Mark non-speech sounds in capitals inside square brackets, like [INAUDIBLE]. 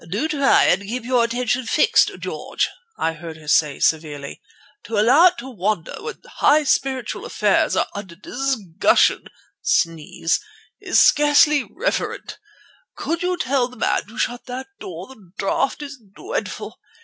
"Do try and keep your attention fixed, George," I heard her say severely. "To allow it to wander when high spiritual affairs are under discussion [SNEEZES] is scarcely reverent. Could you tell the man to shut that door? The draught is dreadful.